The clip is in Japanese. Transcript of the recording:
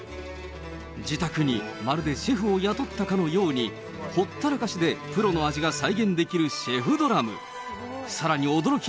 自宅にまるでシェフを雇ったかのように、ほったらかしでプロの味が再現できるシェフドラム。